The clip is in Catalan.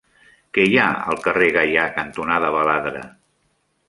Què hi ha al carrer Gaià cantonada Baladre?